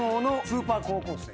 スーパー高校生。